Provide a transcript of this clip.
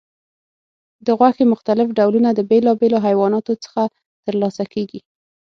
د غوښې مختلف ډولونه د بیلابیلو حیواناتو څخه ترلاسه کېږي.